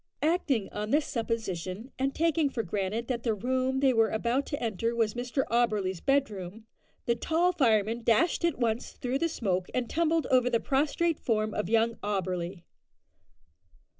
Acting on this supposition, and taking for granted that the room they were about to enter was Mr Auberly's bedroom, the tall fireman dashed at once through the smoke, and tumbled over the prostrate form of young Auberly.